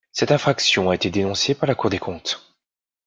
Cette infraction a été dénoncée par la Cour des comptes.